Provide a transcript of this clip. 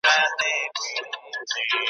غم ته به مي شا سي، وايي بله ورځ `